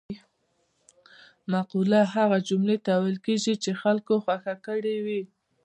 مقوله هغه جملې ته ویل کېږي چې خلکو خوښه کړې وي